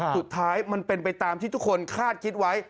สุดท้ายมันเป็นไปตามที่ทุกคนคาดคิดไว้